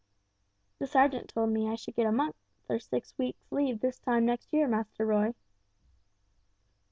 "The sergeant told me I should get a month or six weeks' leave this time next year, Master Roy."